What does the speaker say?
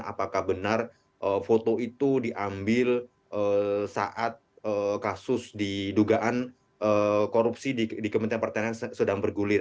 apakah benar foto itu diambil saat kasus didugaan korupsi di kementerian pertanian sedang bergulir